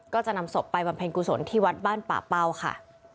ก็จะนำศพไปบำเพ็ญกุศลที่วัดบ้านป่าเป้าค่ะ